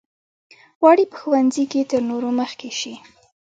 غواړي په ښوونځي کې تر نورو مخکې شي.